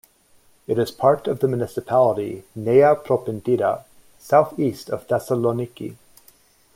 It is part of the municipality Nea Propontida, southeast of Thessaloniki.